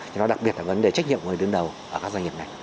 cho nó đặc biệt là vấn đề trách nhiệm của người đứng đầu ở các doanh nghiệp này